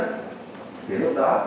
thì lúc đó